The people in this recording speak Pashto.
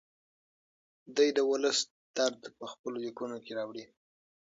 دی د ولس درد په خپلو لیکنو کې راوړي.